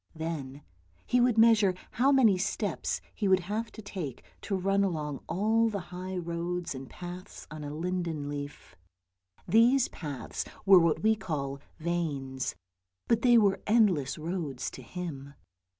Then he would measure how many steps he would have to take to run along all the high roads and paths on a linden leaf. These paths were what we call veins, but they were endless roads to him.